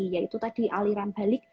yaitu tadi aliran balik